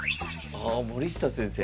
ああ森下先生か。